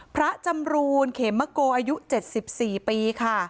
พระจำรูนเขมโกอายุ๗๔ปีค่ะ